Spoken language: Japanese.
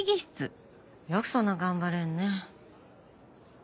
よくそんな頑張れるね。